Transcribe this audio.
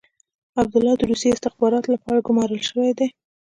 عبدالله د روسي استخباراتو لپاره ګمارل شوی دی.